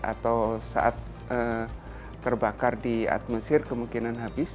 atau saat terbakar di atmosfer kemungkinan habis